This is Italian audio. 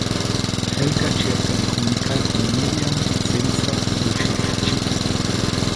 Helga cerca di comunicare con Miriam senza riuscirci.